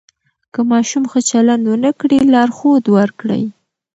که ماشوم ښه چلند ونه کړي، لارښود ورکړئ.